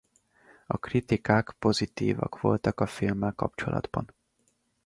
A kritikák pozitívak voltak a filmmel kapcsolatban.